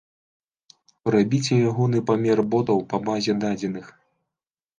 Прабіце ягоны памер ботаў па базе дадзеных.